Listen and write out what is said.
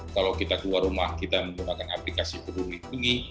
kalau kita keluar rumah kita menggunakan aplikasi berwitungi